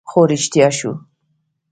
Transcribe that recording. خو رښتيا شو